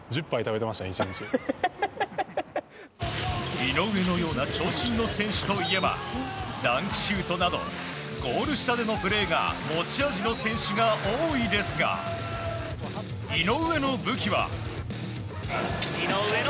井上のような長身の選手といえばダンクシュートなどゴール下でのプレーが持ち味の選手が多いですが井上の武器は。